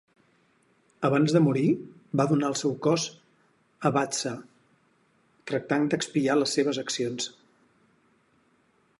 Abans de morir, va donar el seu cos a Bhadsha, tractant d'expiar les seves accions.